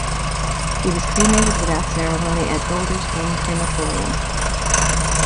He was cremated without ceremony at Golders Green Crematorium.